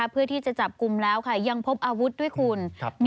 เพื่อที่จะจับกลุ่มแล้วค่ะยังพบอาวุธด้วยคุณ